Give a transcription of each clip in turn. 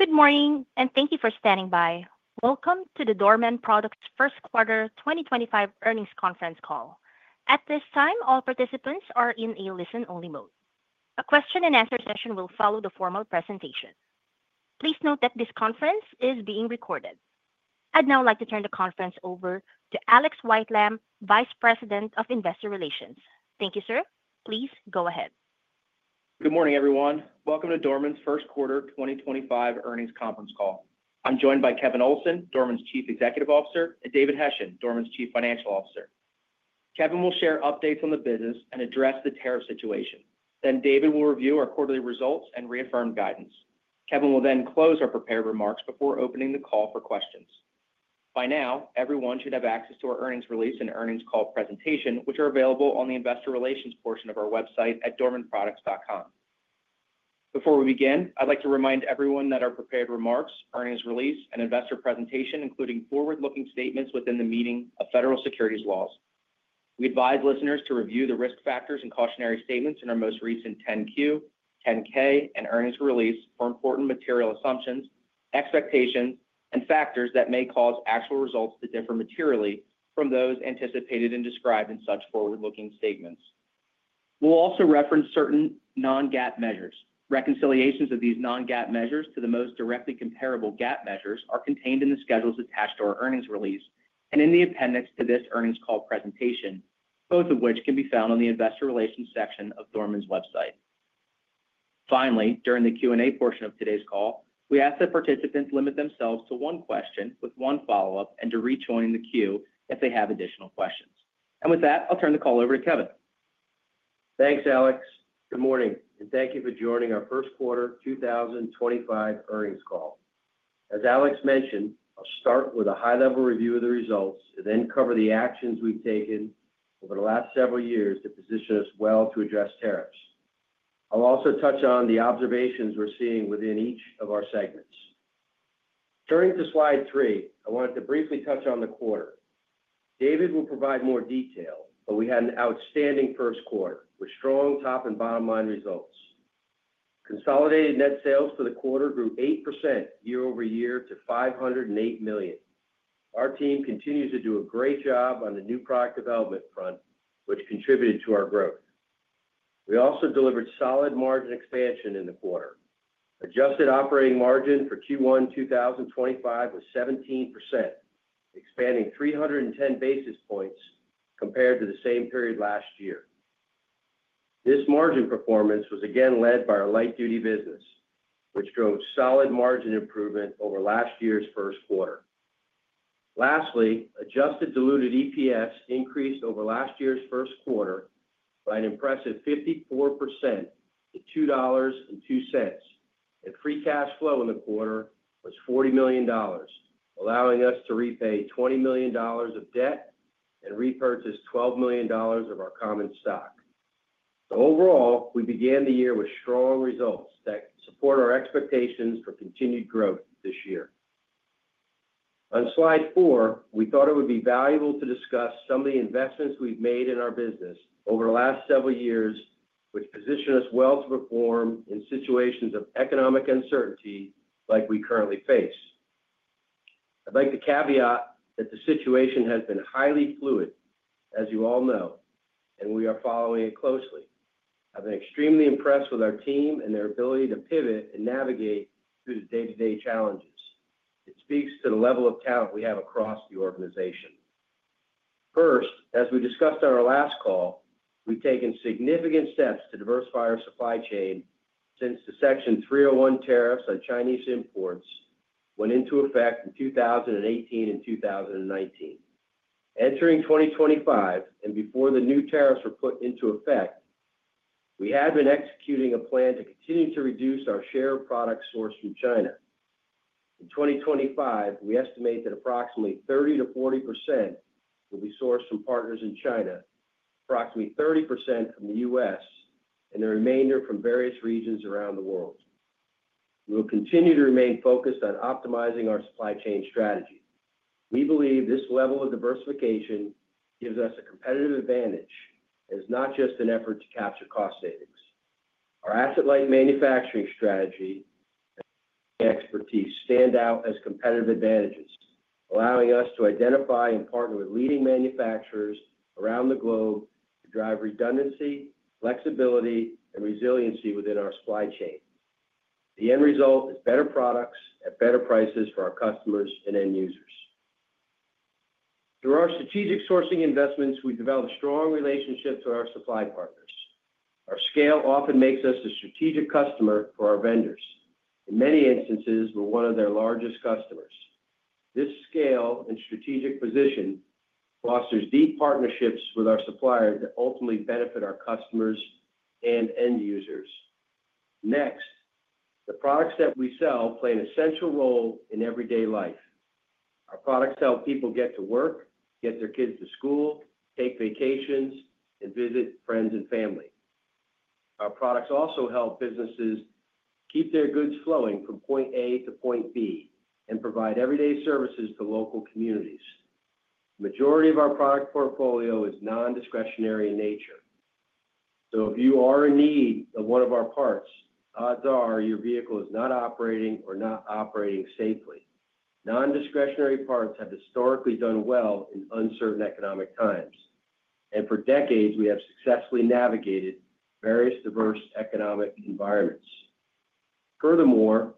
Good morning, and thank you for standing by. Welcome to the Dorman Products First Quarter 2025 Earnings Conference call. At this time, all participants are in a listen-only mode. A question-and-answer session will follow the formal presentation. Please note that this conference is being recorded. I'd now like to turn the conference over to Alex Whitelam, Vice President of Investor Relations. Thank you, sir. Please go ahead. Good morning, everyone. Welcome to Dorman's First Quarter 2025 Earnings Conference call. I'm joined by Kevin Olsen, Dorman's Chief Executive Officer, and David Hession, Dorman's Chief Financial Officer. Kevin will share updates on the business and address the tariff situation. David will review our quarterly results and reaffirm guidance. Kevin will then close our prepared remarks before opening the call for questions. By now, everyone should have access to our earnings release and earnings call presentation, which are available on the Investor Relations portion of our website at dormanproducts.com. Before we begin, I'd like to remind everyone that our prepared remarks, earnings release, and investor presentation include forward-looking statements within the meaning of federal securities laws. We advise listeners to review the risk factors and cautionary statements in our most recent 10-Q, 10-K, and earnings release for important material assumptions, expectations, and factors that may cause actual results to differ materially from those anticipated and described in such forward-looking statements. We will also reference certain non-GAAP measures. Reconciliations of these non-GAAP measures to the most directly comparable GAAP measures are contained in the schedules attached to our earnings release and in the appendix to this earnings call presentation, both of which can be found on the Investor Relations section of Dorman's website. Finally, during the Q&A portion of today's call, we ask that participants limit themselves to one question with one follow-up and to rejoin the queue if they have additional questions. With that, I'll turn the call over to Kevin. Thanks, Alex. Good morning, and thank you for joining our First Quarter 2025 Earnings Call. As Alex mentioned, I'll start with a high-level review of the results and then cover the actions we've taken over the last several years to position us well to address tariffs. I'll also touch on the observations we're seeing within each of our segments. Turning to slide three, I wanted to briefly touch on the quarter. David will provide more detail, but we had an outstanding first quarter with strong top and bottom line results. Consolidated net sales for the quarter grew 8% year-over-year to $508 million. Our team continues to do a great job on the new product development front, which contributed to our growth. We also delivered solid margin expansion in the quarter. Adjusted operating margin for Q1 2025 was 17%, expanding 310 basis points compared to the same period last year. This margin performance was again led by our light-duty business, which drove solid margin improvement over last year's first quarter. Lastly, adjusted diluted EPS increased over last year's first quarter by an impressive 54% to $2.02, and free cash flow in the quarter was $40 million, allowing us to repay $20 million of debt and repurchase $12 million of our common stock. Overall, we began the year with strong results that support our expectations for continued growth this year. On slide four, we thought it would be valuable to discuss some of the investments we've made in our business over the last several years, which position us well to perform in situations of economic uncertainty like we currently face. I'd like to caveat that the situation has been highly fluid, as you all know, and we are following it closely. I've been extremely impressed with our team and their ability to pivot and navigate through the day-to-day challenges. It speaks to the level of talent we have across the organization. First, as we discussed on our last call, we've taken significant steps to diversify our supply chain since the Section 301 tariffs on Chinese imports went into effect in 2018 and 2019. Entering 2025 and before the new tariffs were put into effect, we had been executing a plan to continue to reduce our share of products sourced from China. In 2025, we estimate that approximately 30%-40% will be sourced from partners in China, approximately 30% from the U.S., and the remainder from various regions around the world. We will continue to remain focused on optimizing our supply chain strategy. We believe this level of diversification gives us a competitive advantage and is not just an effort to capture cost savings. Our asset-light manufacturing strategy and expertise stand out as competitive advantages, allowing us to identify and partner with leading manufacturers around the globe to drive redundancy, flexibility, and resiliency within our supply chain. The end result is better products at better prices for our customers and end users. Through our strategic sourcing investments, we've developed strong relationships with our supply partners. Our scale often makes us a strategic customer for our vendors. In many instances, we're one of their largest customers. This scale and strategic position fosters deep partnerships with our suppliers that ultimately benefit our customers and end users. Next, the products that we sell play an essential role in everyday life. Our products help people get to work, get their kids to school, take vacations, and visit friends and family. Our products also help businesses keep their goods flowing from point A to point B and provide everyday services to local communities. The majority of our product portfolio is non-discretionary in nature. So if you are in need of one of our parts, odds are your vehicle is not operating or not operating safely. Non-discretionary parts have historically done well in uncertain economic times, and for decades, we have successfully navigated various diverse economic environments. Furthermore,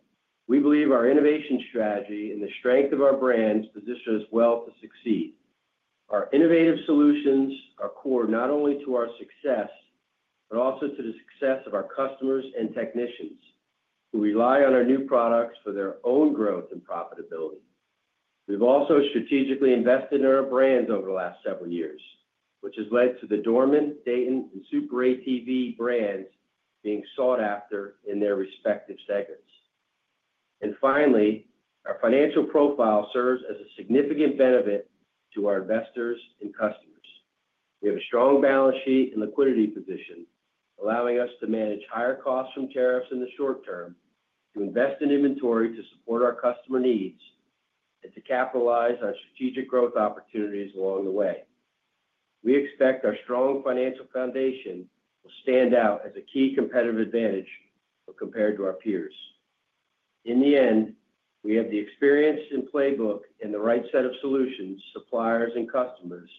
we believe our innovation strategy and the strength of our brands position us well to succeed. Our innovative solutions are core not only to our success, but also to the success of our customers and technicians who rely on our new products for their own growth and profitability. have also strategically invested in our brands over the last several years, which has led to the Dorman, Dayton, and SuperATV brands being sought after in their respective segments. Finally, our financial profile serves as a significant benefit to our investors and customers. We have a strong balance sheet and liquidity position, allowing us to manage higher costs from tariffs in the short term, to invest in inventory to support our customer needs, and to capitalize on strategic growth opportunities along the way. We expect our strong financial foundation will stand out as a key competitive advantage when compared to our peers. In the end, we have the experience and playbook and the right set of solutions, suppliers, and customers,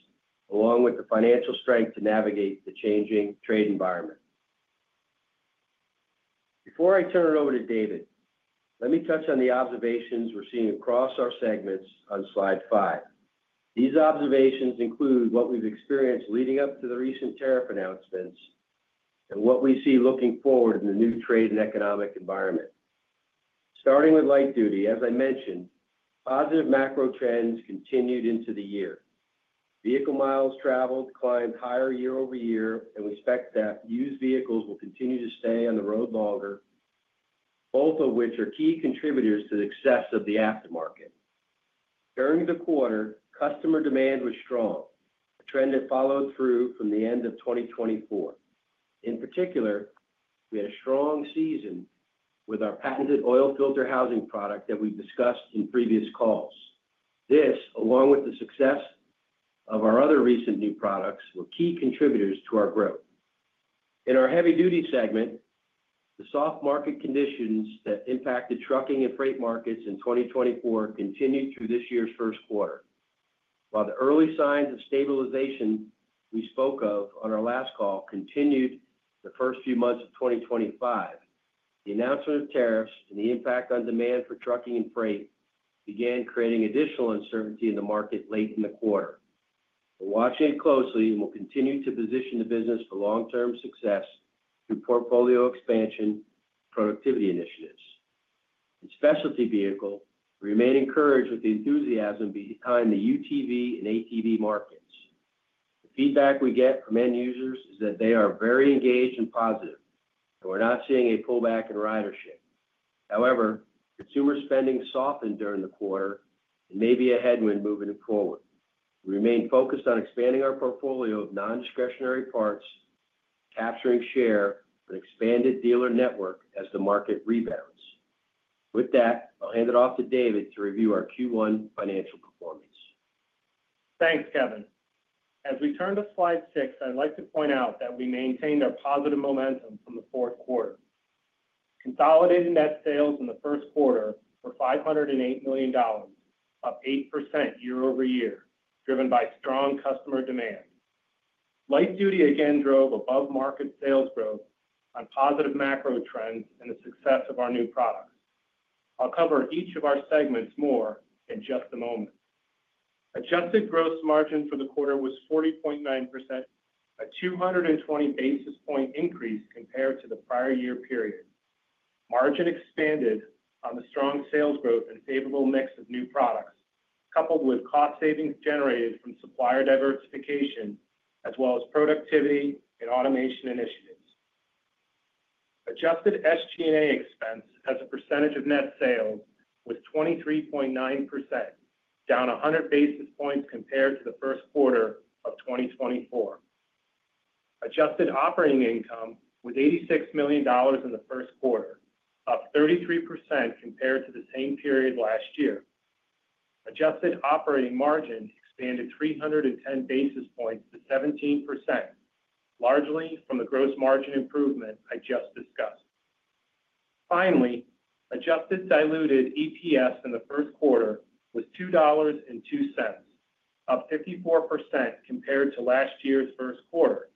along with the financial strength to navigate the changing trade environment. Before I turn it over to David, let me touch on the observations we're seeing across our segments on slide five. These observations include what we've experienced leading up to the recent tariff announcements and what we see looking forward in the new trade and economic environment. Starting with light duty, as I mentioned, positive macro trends continued into the year. Vehicle miles traveled climbed higher year-over-year, and we expect that used vehicles will continue to stay on the road longer, both of which are key contributors to the success of the aftermarket. During the quarter, customer demand was strong, a trend that followed through from the end of 2024. In particular, we had a strong season with our patented oil filter housing product that we've discussed in previous calls. This, along with the success of our other recent new products, were key contributors to our growth. In our heavy-duty segment, the soft market conditions that impacted trucking and freight markets in 2024 continued through this year's first quarter. While the early signs of stabilization we spoke of on our last call continued the first few months of 2025, the announcement of tariffs and the impact on demand for trucking and freight began creating additional uncertainty in the market late in the quarter. We're watching it closely and will continue to position the business for long-term success through portfolio expansion and productivity initiatives. In specialty vehicles, we remain encouraged with the enthusiasm behind the UTV and ATV markets. The feedback we get from end users is that they are very engaged and positive, and we're not seeing a pullback in ridership. However, consumer spending softened during the quarter and may be a headwind moving forward. We remain focused on expanding our portfolio of non-discretionary parts, capturing share with an expanded dealer network as the market rebounds. With that, I'll hand it off to David to review our Q1 financial performance. Thanks, Kevin. As we turn to slide six, I'd like to point out that we maintained our positive momentum from the fourth quarter. Consolidated net sales in the first quarter were $508 million, up 8% year-over-year, driven by strong customer demand. Light duty again drove above-market sales growth on positive macro trends and the success of our new products. I'll cover each of our segments more in just a moment. Adjusted gross margin for the quarter was 40.9%, a 220 basis point increase compared to the prior year period. Margin expanded on the strong sales growth and favorable mix of new products, coupled with cost savings generated from supplier diversification, as well as productivity and automation initiatives. Adjusted SG&A expense as a percentage of net sales was 23.9%, down 100 basis points compared to the first quarter of 2024. Adjusted operating income was $86 million in the first quarter, up 33% compared to the same period last year. Adjusted operating margin expanded 310 basis points to 17%, largely from the gross margin improvement I just discussed. Finally, adjusted diluted EPS in the first quarter was $2.02, up 54% compared to last year's first quarter.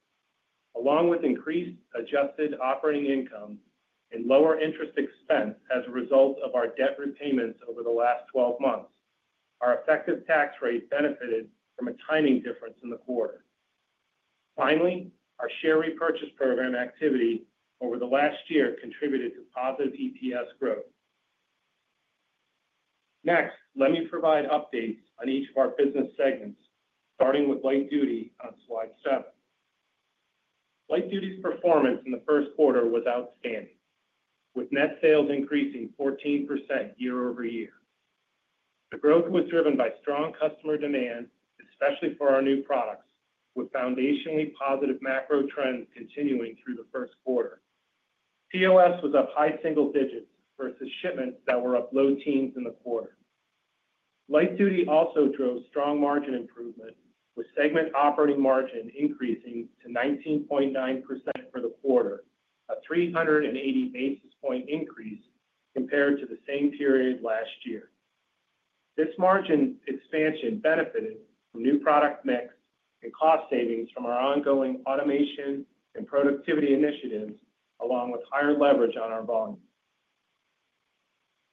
Along with increased adjusted operating income and lower interest expense as a result of our debt repayments over the last 12 months, our effective tax rate benefited from a timing difference in the quarter. Finally, our share repurchase program activity over the last year contributed to positive EPS growth. Next, let me provide updates on each of our business segments, starting with light duty on slide seven. Light duty's performance in the first quarter was outstanding, with net sales increasing 14% year-over-year. The growth was driven by strong customer demand, especially for our new products, with foundationally positive macro trends continuing through the first quarter. POS was up high single digits versus shipments that were up low teens in the quarter. Light duty also drove strong margin improvement, with segment operating margin increasing to 19.9% for the quarter, a 380 basis point increase compared to the same period last year. This margin expansion benefited from new product mix and cost savings from our ongoing automation and productivity initiatives, along with higher leverage on our volume.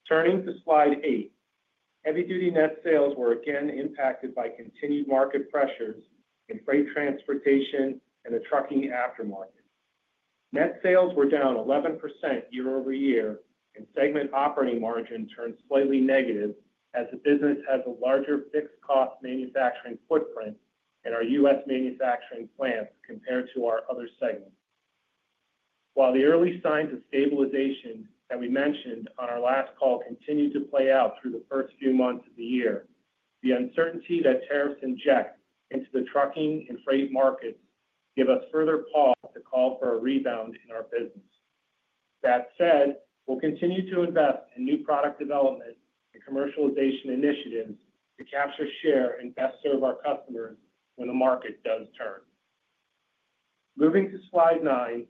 Turning to slide eight, heavy-duty net sales were again impacted by continued market pressures in freight transportation and the trucking aftermarket. Net sales were down 11% year-over-year, and segment operating margin turned slightly negative as the business has a larger fixed-cost manufacturing footprint in our U.S. manufacturing plants compared to our other segments. While the early signs of stabilization that we mentioned on our last call continued to play out through the first few months of the year, the uncertainty that tariffs inject into the trucking and freight markets gave us further pause to call for a rebound in our business. That said, we'll continue to invest in new product development and commercialization initiatives to capture share and best serve our customers when the market does turn. Moving to slide nine,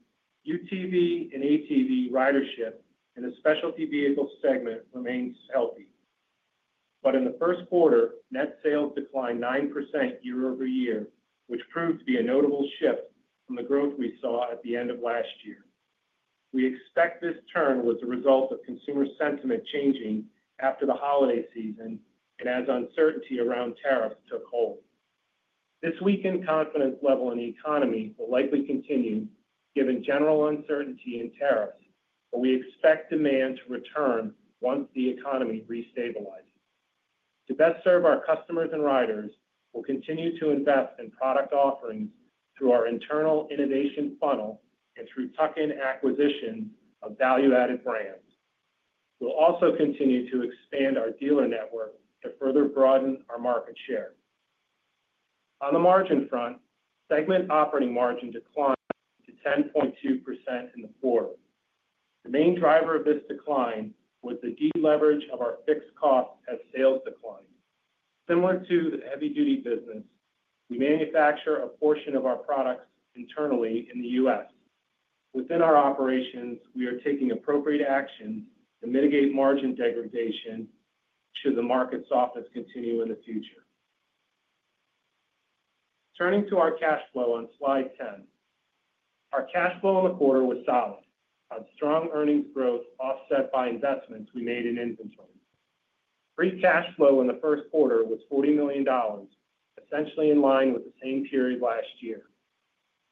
UTV and ATV ridership in the specialty vehicle segment remains healthy. In the first quarter, net sales declined 9% year-over-year, which proved to be a notable shift from the growth we saw at the end of last year. We expect this turn was the result of consumer sentiment changing after the holiday season and as uncertainty around tariffs took hold. This weakened confidence level in the economy will likely continue given general uncertainty in tariffs, but we expect demand to return once the economy re-stabilizes. To best serve our customers and riders, we'll continue to invest in product offerings through our internal innovation funnel and through tuck-in acquisitions of value-added brands. We'll also continue to expand our dealer network to further broaden our market share. On the margin front, segment operating margin declined to 10.2% in the quarter. The main driver of this decline was the de-leverage of our fixed costs as sales declined. Similar to the heavy-duty business, we manufacture a portion of our products internally in the U.S. Within our operations, we are taking appropriate actions to mitigate margin degradation should the market softness continue in the future. Turning to our cash flow on slide 10, our cash flow in the quarter was solid on strong earnings growth offset by investments we made in inventory. Free cash flow in the first quarter was $40 million, essentially in line with the same period last year.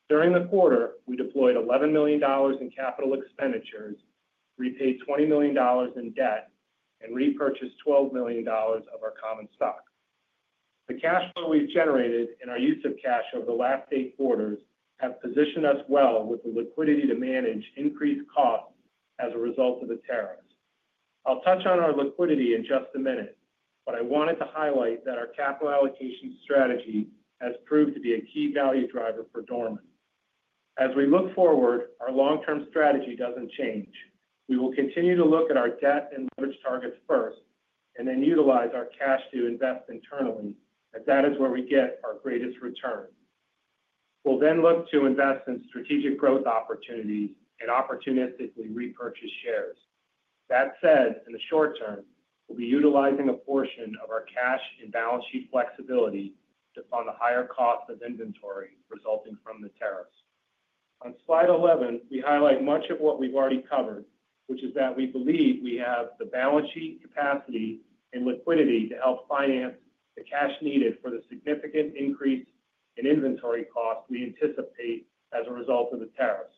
During the quarter, we deployed $11 million in capital expenditures, repaid $20 million in debt, and repurchased $12 million of our common stock. The cash flow we've generated and our use of cash over the last eight quarters have positioned us well with the liquidity to manage increased costs as a result of the tariffs. I'll touch on our liquidity in just a minute, but I wanted to highlight that our capital allocation strategy has proved to be a key value driver for Dorman. As we look forward, our long-term strategy doesn't change. We will continue to look at our debt and leverage targets first and then utilize our cash to invest internally, as that is where we get our greatest return. We'll then look to invest in strategic growth opportunities and opportunistically repurchase shares. That said, in the short term, we'll be utilizing a portion of our cash and balance sheet flexibility to fund the higher cost of inventory resulting from the tariffs. On slide 11, we highlight much of what we've already covered, which is that we believe we have the balance sheet capacity and liquidity to help finance the cash needed for the significant increase in inventory costs we anticipate as a result of the tariffs.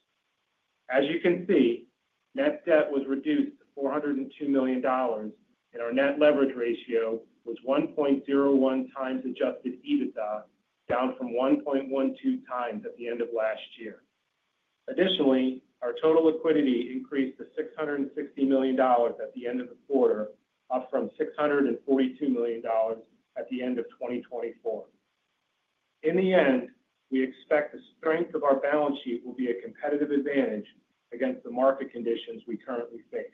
As you can see, net debt was reduced to $402 million, and our net leverage ratio was 1.01 times adjusted EBITDA, down from 1.12x at the end of last year. Additionally, our total liquidity increased to $660 million at the end of the quarter, up from $642 million at the end of 2024. In the end, we expect the strength of our balance sheet will be a competitive advantage against the market conditions we currently face.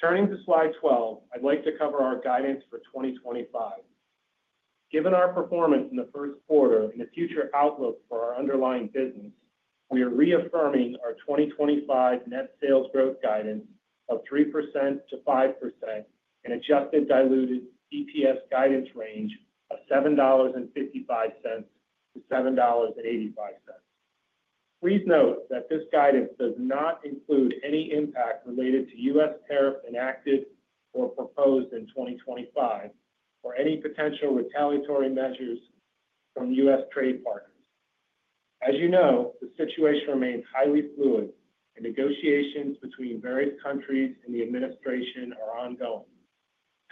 Turning to slide 12, I'd like to cover our guidance for 2025. Given our performance in the first quarter and the future outlook for our underlying business, we are reaffirming our 2025 net sales growth guidance of 3%-5% and adjusted diluted EPS guidance range of $7.55-$7.85. Please note that this guidance does not include any impact related to U.S. tariffs enacted or proposed in 2025 or any potential retaliatory measures from U.S. trade partners. As you know, the situation remains highly fluid, and negotiations between various countries and the administration are ongoing.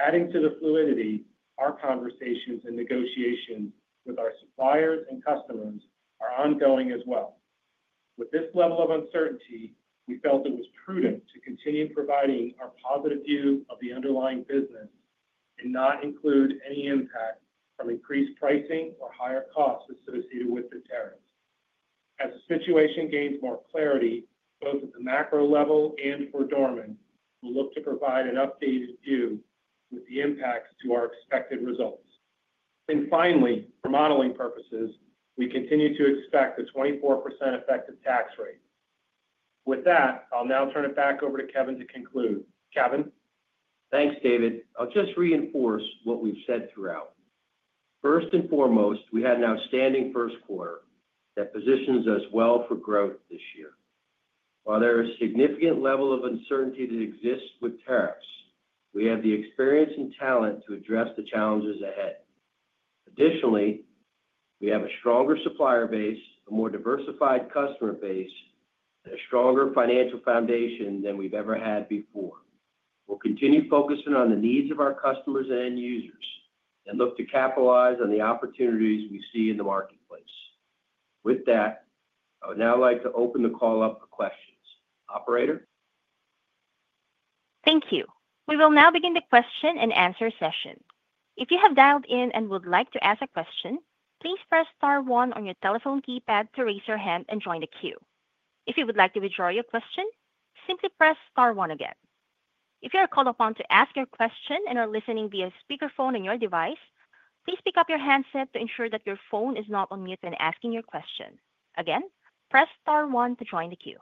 Adding to the fluidity, our conversations and negotiations with our suppliers and customers are ongoing as well. With this level of uncertainty, we felt it was prudent to continue providing our positive view of the underlying business and not include any impact from increased pricing or higher costs associated with the tariffs. As the situation gains more clarity, both at the macro level and for Dorman, we will look to provide an updated view with the impacts to our expected results. Finally, for modeling purposes, we continue to expect the 24% effective tax rate. With that, I will now turn it back over to Kevin to conclude. Kevin. Thanks, David. I'll just reinforce what we've said throughout. First and foremost, we had an outstanding first quarter that positions us well for growth this year. While there is a significant level of uncertainty that exists with tariffs, we have the experience and talent to address the challenges ahead. Additionally, we have a stronger supplier base, a more diversified customer base, and a stronger financial foundation than we've ever had before. We'll continue focusing on the needs of our customers and end users and look to capitalize on the opportunities we see in the marketplace. With that, I would now like to open the call up for questions. Operator. Thank you. We will now begin the question and answer session. If you have dialed in and would like to ask a question, please press star one on your telephone keypad to raise your hand and join the queue. If you would like to withdraw your question, simply press star one again. If you are called upon to ask your question and are listening via speakerphone on your device, please pick up your handset to ensure that your phone is not on mute when asking your question. Again, press star one to join the queue.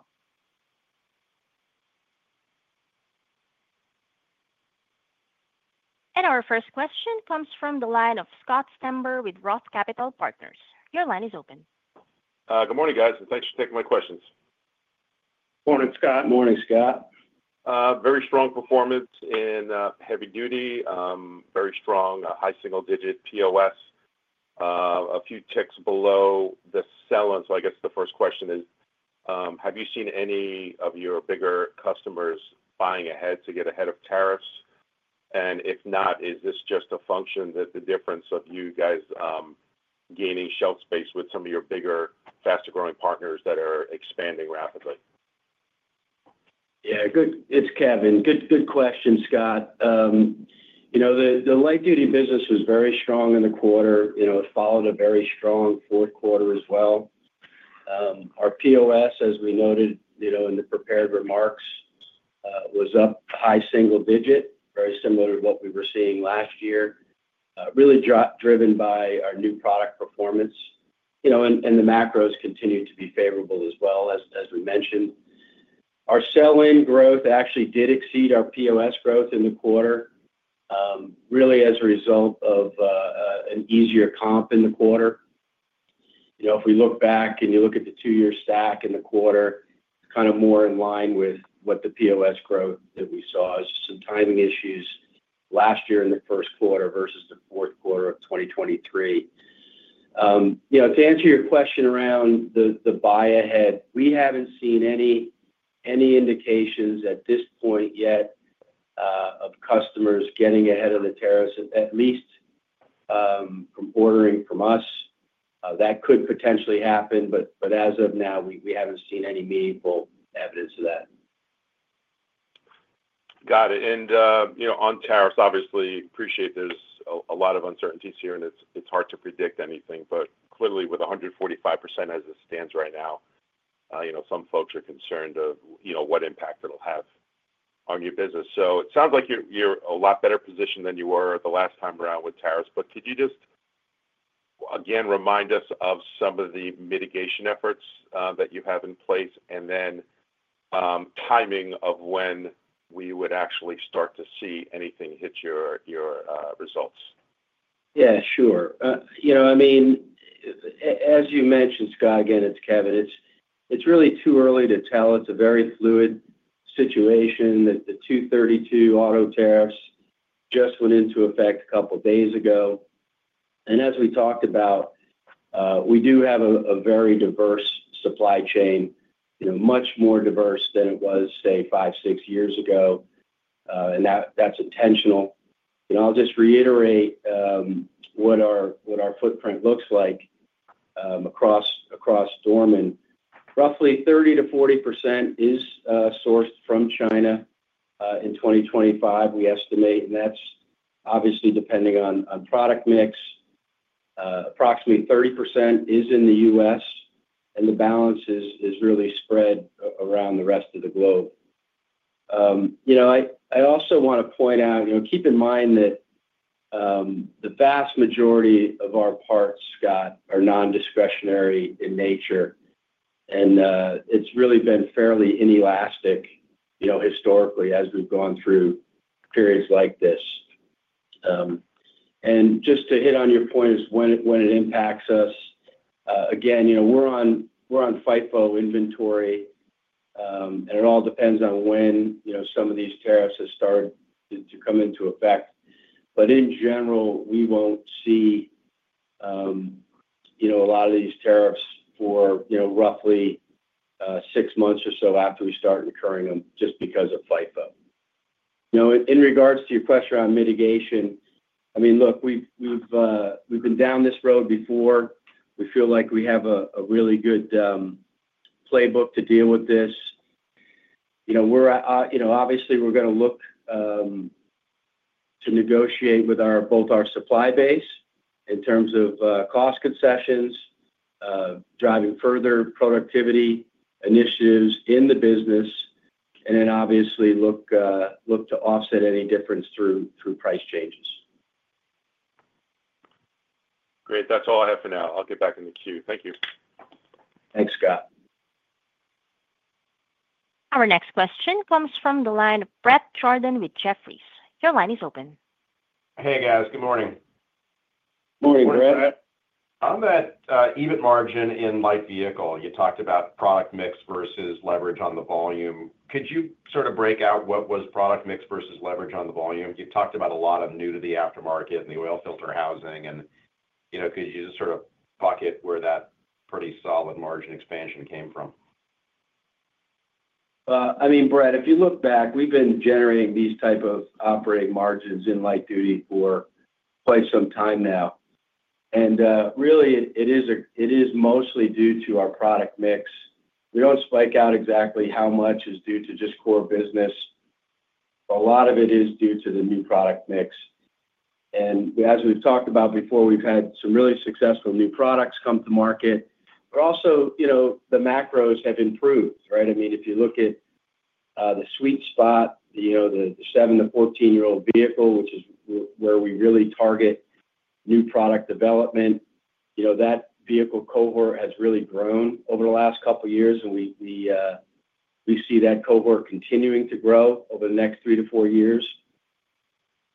Our first question comes from the line of Scott Stember with ROTH Capital Partners. Your line is open. Good morning, guys, and thanks for taking my questions. Morning, Scott. Morning, Scott. Very strong performance in heavy duty, very strong high single digit POS, a few ticks below the sell. I guess the first question is, have you seen any of your bigger customers buying ahead to get ahead of tariffs? If not, is this just a function of the difference of you guys gaining shelf space with some of your bigger, faster-growing partners that are expanding rapidly? Yeah, good. It's Kevin. Good question, Scott. The light duty business was very strong in the quarter. It followed a very strong fourth quarter as well. Our POS, as we noted in the prepared remarks, was up high single digit, very similar to what we were seeing last year, really driven by our new product performance. The macros continue to be favorable as well, as we mentioned. Our selling growth actually did exceed our POS growth in the quarter, really as a result of an easier comp in the quarter. If we look back and you look at the two-year stack in the quarter, it's kind of more in line with what the POS growth that we saw is, just some timing issues last year in the first quarter versus the fourth quarter of 2023. To answer your question around the buy ahead, we haven't seen any indications at this point yet of customers getting ahead of the tariffs, at least from ordering from us. That could potentially happen, but as of now, we haven't seen any meaningful evidence of that. Got it. On tariffs, obviously, appreciate there's a lot of uncertainties here and it's hard to predict anything, but clearly with 145% as it stands right now, some folks are concerned of what impact it'll have on your business. It sounds like you're in a lot better position than you were the last time around with tariffs, but could you just, again, remind us of some of the mitigation efforts that you have in place and then timing of when we would actually start to see anything hit your results? Yeah, sure. I mean, as you mentioned, Scott, again, it's Kevin. It's really too early to tell. It's a very fluid situation. The 232 auto tariffs just went into effect a couple of days ago. As we talked about, we do have a very diverse supply chain, much more diverse than it was, say, five, six years ago. That's intentional. I'll just reiterate what our footprint looks like across Dorman. Roughly 30%-40% is sourced from China in 2025, we estimate. That's obviously depending on product mix. Approximately 30% is in the U.S. and the balance is really spread around the rest of the globe. I also want to point out, keep in mind that the vast majority of our parts, Scott, are non-discretionary in nature. It's really been fairly inelastic historically as we've gone through periods like this. Just to hit on your point is when it impacts us. Again, we are on FIFO inventory, and it all depends on when some of these tariffs have started to come into effect. In general, we will not see a lot of these tariffs for roughly six months or so after we start incurring them just because of FIFO. In regards to your question around mitigation, I mean, look, we have been down this road before. We feel like we have a really good playbook to deal with this. Obviously, we are going to look to negotiate with both our supply base in terms of cost concessions, driving further productivity initiatives in the business, and then obviously look to offset any difference through price changes. Great. That's all I have for now. I'll get back in the queue. Thank you. Thanks, Scott. Our next question comes from the line of Bret Jordan with Jefferies. Your line is open. Hey, guys. Good morning. Morning, Bret. Morning, Bret. I'm at even margin in light vehicle. You talked about product mix versus leverage on the volume. Could you sort of break out what was product mix versus leverage on the volume? You talked about a lot of new to the aftermarket and the oil filter housing. And could you just sort of pocket where that pretty solid margin expansion came from? I mean, Brett, if you look back, we've been generating these types of operating margins in light duty for quite some time now. It is mostly due to our product mix. We don't spike out exactly how much is due to just core business. A lot of it is due to the new product mix. As we've talked about before, we've had some really successful new products come to market. Also, the macros have improved, right? I mean, if you look at the sweet spot, the 7-14-year-old vehicle, which is where we really target new product development, that vehicle cohort has really grown over the last couple of years, and we see that cohort continuing to grow over the next three to four years.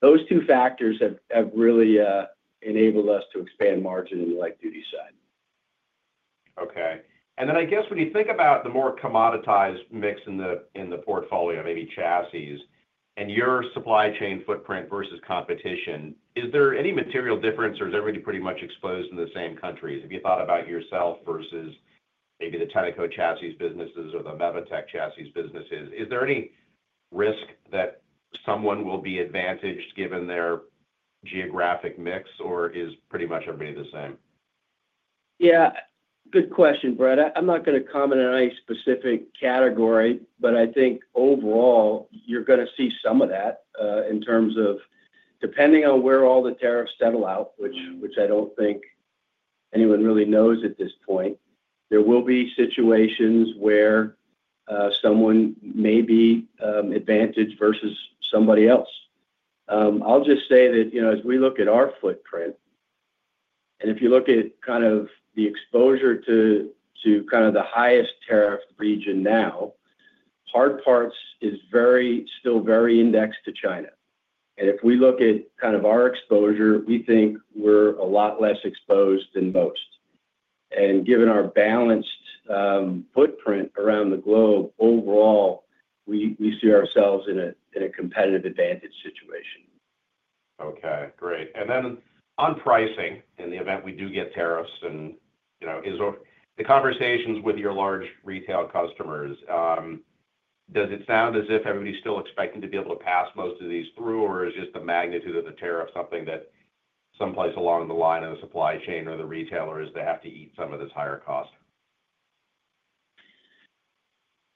Those two factors have really enabled us to expand margin in the light duty side. Okay. And then I guess when you think about the more commoditized mix in the portfolio, maybe chassis, and your supply chain footprint versus competition, is there any material difference or is everybody pretty much exposed in the same countries? Have you thought about yourself versus maybe the Tenneco chassis businesses or the Mavitec chassis businesses? Is there any risk that someone will be advantaged given their geographic mix, or is pretty much everybody the same? Yeah. Good question, Bret. I'm not going to comment on any specific category, but I think overall, you're going to see some of that in terms of depending on where all the tariffs settle out, which I don't think anyone really knows at this point. There will be situations where someone may be advantaged versus somebody else. I'll just say that as we look at our footprint, and if you look at kind of the exposure to kind of the highest tariff region now, hard parts is still very indexed to China. And if we look at kind of our exposure, we think we're a lot less exposed than most. And given our balanced footprint around the globe, overall, we see ourselves in a competitive advantage situation. Okay. Great. And then on pricing, in the event we do get tariffs, in the conversations with your large retail customers, does it sound as if everybody's still expecting to be able to pass most of these through, or is just the magnitude of the tariff something that someplace along the line of the supply chain or the retailers that have to eat some of this higher cost?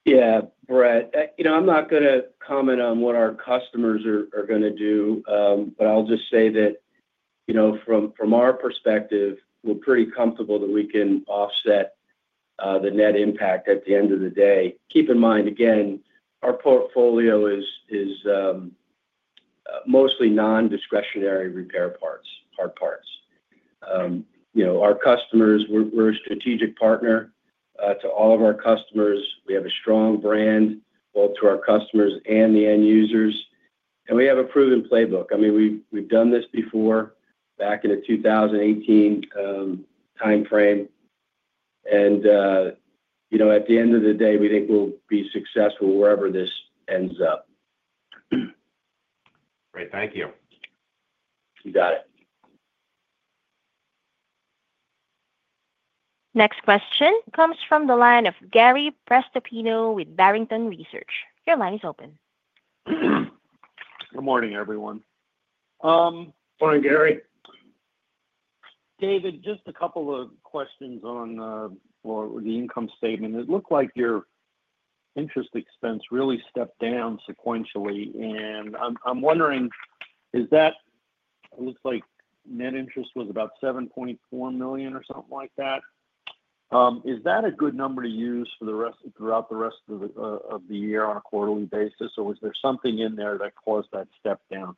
Yeah, Bret. I'm not going to comment on what our customers are going to do, but I'll just say that from our perspective, we're pretty comfortable that we can offset the net impact at the end of the day. Keep in mind, again, our portfolio is mostly non-discretionary repair parts, hard parts. Our customers, we're a strategic partner to all of our customers. We have a strong brand both to our customers and the end users. I mean, we have a proven playbook. I mean, we've done this before back in the 2018 timeframe. At the end of the day, we think we'll be successful wherever this ends up. Great. Thank you. You got it. Next question comes from the line of Gary Prestopino with Barrington Research. Your line is open. Good morning, everyone. Morning, Gary. David, just a couple of questions on the income statement. It looked like your interest expense really stepped down sequentially. I'm wondering, it looks like net interest was about $7.4 million or something like that. Is that a good number to use throughout the rest of the year on a quarterly basis, or was there something in there that caused that step down?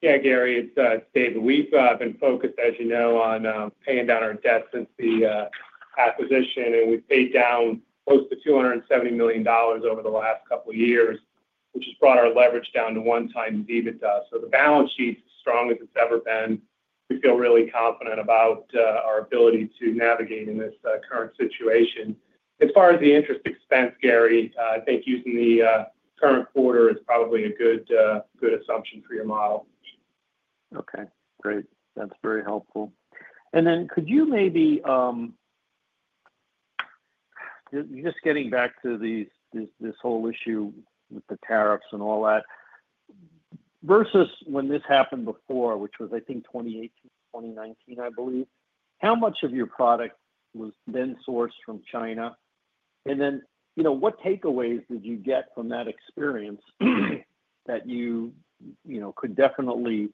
Yeah, Gary, it's David. We've been focused, as you know, on paying down our debt since the acquisition, and we've paid down close to $270 million over the last couple of years, which has brought our leverage down to one time EBITDA. The balance sheet is as strong as it's ever been. We feel really confident about our ability to navigate in this current situation. As far as the interest expense, Gary, I think using the current quarter is probably a good assumption for your model. Okay. Great. That's very helpful. Could you maybe just getting back to this whole issue with the tariffs and all that versus when this happened before, which was, I think, 2018, 2019, I believe, how much of your product was then sourced from China? What takeaways did you get from that experience that you could definitely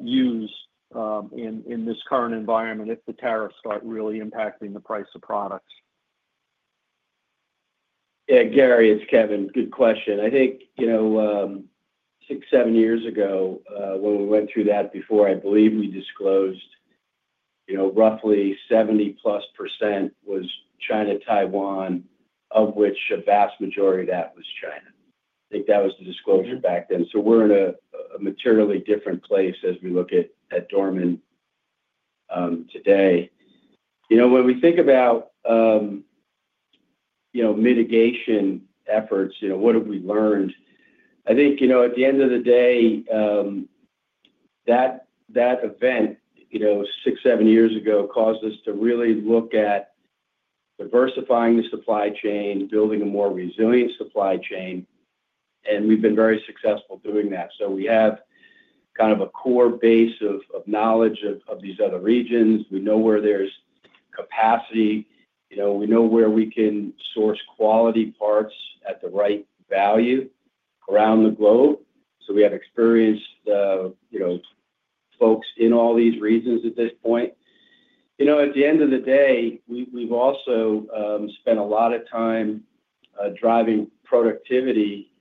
use in this current environment if the tariffs start really impacting the price of products? Yeah, Gary, it's Kevin. Good question. I think six, seven years ago when we went through that before, I believe we disclosed roughly 70+% was China-Taiwan, of which a vast majority of that was China. I think that was the disclosure back then. We are in a materially different place as we look at Dorman today. When we think about mitigation efforts, what have we learned? I think at the end of the day, that event six, seven years ago caused us to really look at diversifying the supply chain, building a more resilient supply chain. We have been very successful doing that. We have kind of a core base of knowledge of these other regions. We know where there is capacity. We know where we can source quality parts at the right value around the globe. We have experienced folks in all these regions at this point. At the end of the day, we've also spent a lot of time driving productivity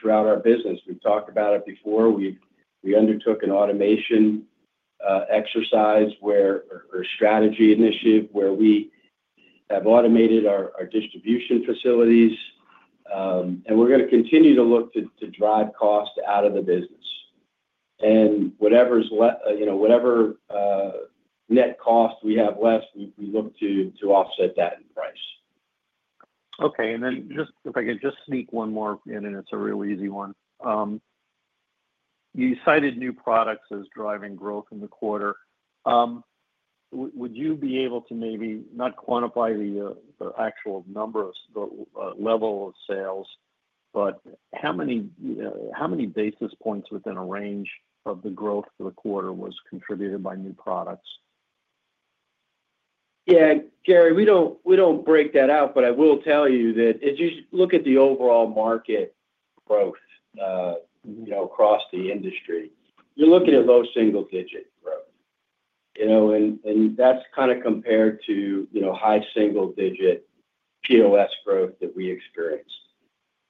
throughout our business. We've talked about it before. We undertook an automation exercise or strategy initiative where we have automated our distribution facilities. We're going to continue to look to drive cost out of the business. Whatever net cost we have left, we look to offset that in price. Okay. If I could just sneak one more in, and it is a real easy one. You cited new products as driving growth in the quarter. Would you be able to maybe not quantify the actual number or level of sales, but how many basis points within a range of the growth for the quarter was contributed by new products? Yeah, Gary, we do not break that out, but I will tell you that as you look at the overall market growth across the industry, you are looking at low single-digit growth. That is kind of compared to high single-digit POS growth that we experienced.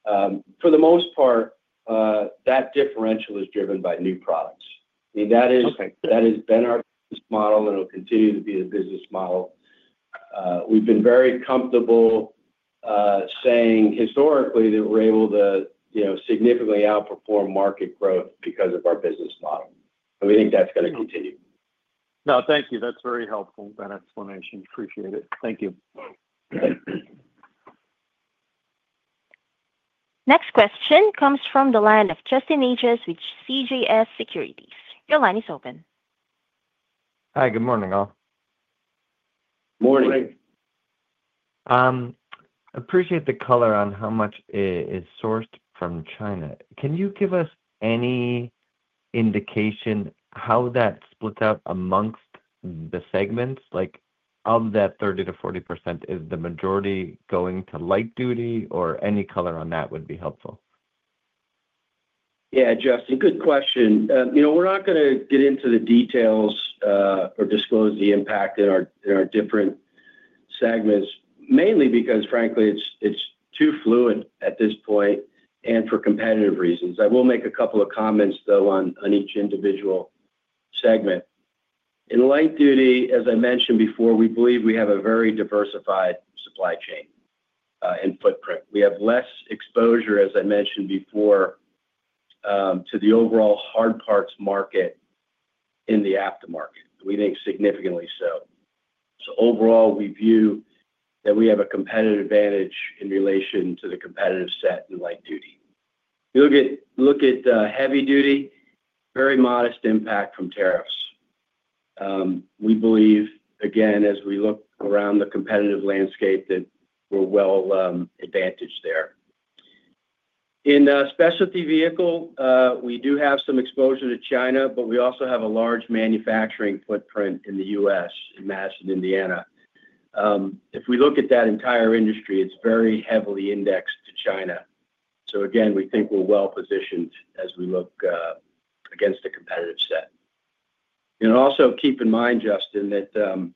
For the most part, that differential is driven by new products. I mean, that has been our business model, and it will continue to be the business model. We have been very comfortable saying historically that we are able to significantly outperform market growth because of our business model. We think that is going to continue. No, thank you. That's very helpful, that explanation. Appreciate it. Thank you. Next question comes from the line of Justin Ages with CJS Securities. Your line is open. Hi, good morning, all. Morning. Appreciate the color on how much is sourced from China. Can you give us any indication how that splits out amongst the segments? Of that 30-40%, is the majority going to light duty, or any color on that would be helpful? Yeah, Justin, good question. We're not going to get into the details or disclose the impact in our different segments, mainly because, frankly, it's too fluid at this point and for competitive reasons. I will make a couple of comments, though, on each individual segment. In light duty, as I mentioned before, we believe we have a very diversified supply chain and footprint. We have less exposure, as I mentioned before, to the overall hard parts market in the aftermarket. We think significantly so. Overall, we view that we have a competitive advantage in relation to the competitive set in light duty. Look at heavy duty, very modest impact from tariffs. We believe, again, as we look around the competitive landscape, that we're well advantaged there. In specialty vehicle, we do have some exposure to China, but we also have a large manufacturing footprint in the U.S., in Madison, Indiana. If we look at that entire industry, it is very heavily indexed to China. We think we are well positioned as we look against the competitive set. Also keep in mind, Justin, that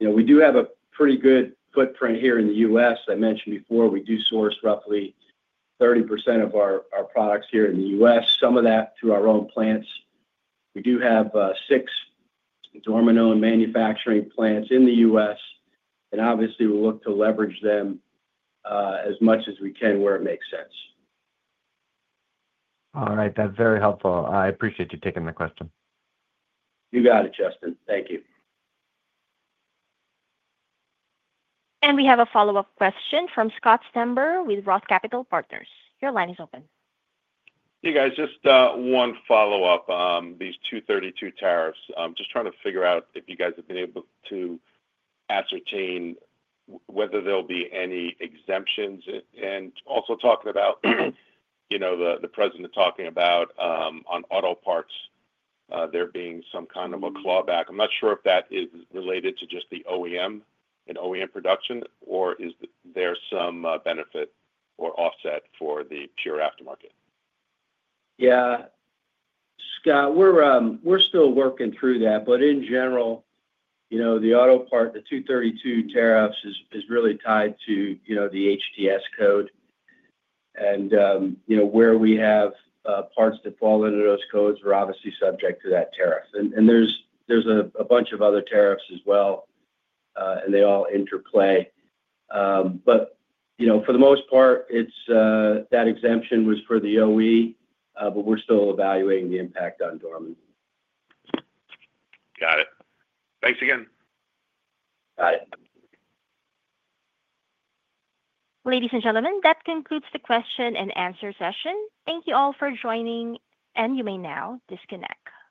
we do have a pretty good footprint here in the U.S. I mentioned before, we do source roughly 30% of our products here in the U.S., some of that through our own plants. We do have six Dorman-owned manufacturing plants in the U.S. Obviously, we will look to leverage them as much as we can where it makes sense. All right. That's very helpful. I appreciate you taking the question. You got it, Justin. Thank you. We have a follow-up question from Scott Stember with Roth Capital Partners. Your line is open. Hey, guys, just one follow-up on these 232 tariffs. I'm just trying to figure out if you guys have been able to ascertain whether there'll be any exemptions. Also, talking about the president talking about on auto parts, there being some kind of a clawback. I'm not sure if that is related to just the OEM and OEM production, or is there some benefit or offset for the pure aftermarket? Yeah. Scott, we're still working through that. In general, the auto part, the 232 tariffs is really tied to the HTS code. Where we have parts that fall under those codes, we're obviously subject to that tariff. There's a bunch of other tariffs as well, and they all interplay. For the most part, that exemption was for the OE, but we're still evaluating the impact on Dorman. Got it. Thanks again. Got it. Ladies and gentlemen, that concludes the question and answer session. Thank you all for joining, and you may now disconnect.